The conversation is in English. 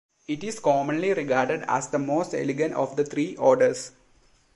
It is commonly regarded as the most elegant of the three orders.